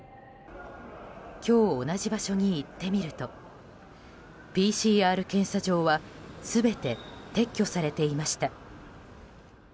今日、同じ場所に行ってみるとＰＣＲ検査場は全て撤去されていました。